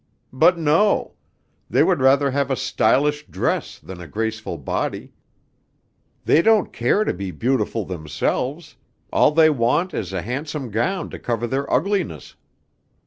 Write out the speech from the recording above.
But no; they would rather have a stylish dress than a graceful body. They don't care to be beautiful themselves; all they want is a handsome gown to cover their ugliness.'